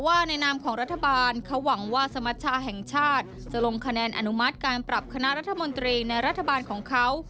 ในนามของรัฐบาลเขาหวังว่าสมชาแห่งชาติจะลงคะแนนอนุมัติการปรับคณะรัฐมนตรีในรัฐบาลของเขา